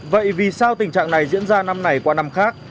vậy vì sao tình trạng này diễn ra năm này qua năm khác